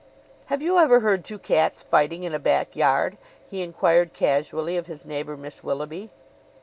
"Have you ever heard two cats fighting in a back yard?" he inquired casually of his neighbor, Miss Willoughby.